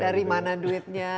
dari mana duitnya